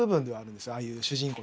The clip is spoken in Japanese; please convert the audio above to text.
ああいう主人公。